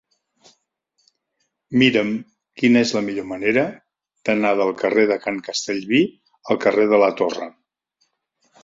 Mira'm quina és la millor manera d'anar del carrer de Can Castellví al carrer de la Torre.